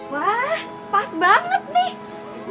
wah pas banget nih